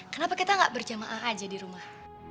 kenapa kita gak berjamaah aja di rumah